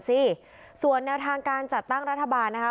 สมบัติการพลังมีชาติรักษ์ได้หรือเปล่า